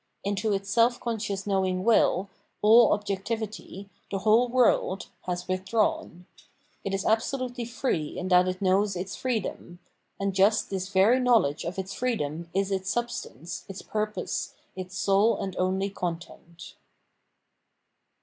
Into its self conscious knowing will, all objectivity, the whole world, has withdrawn. It is absolutely jfree in that it knows its freedom ; and just this very knowledge of its freedom is its substance, its pur|®ose, its sole and only content.